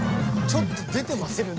［ちょっと出てますね］